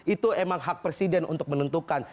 itu emang hak presiden untuk menentukan